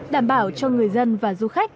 đảm bảo cho người dân và du khách